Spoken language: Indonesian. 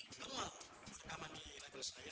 kamu lalu rekaman di label saya